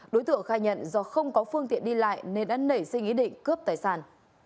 đối tượng khai nhận do không có phương tiện đi lại nên đã nảy sinh ý định cướp tài sản